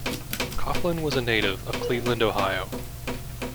Coughlin was a native of Cleveland, Ohio.